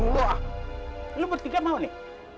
lo bertiga mau nih